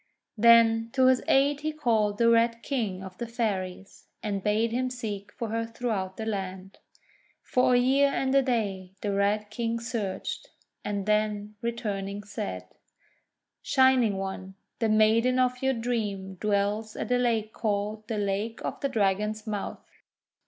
Then to his aid he called the Red King of the Fairies, and bade him seek for her throughout the land. For a year and a day the Red King searched, and then, returning, said: — "Shining One, the maiden of your dream dwells at a lake called the Lake of the Dragon's Mouth.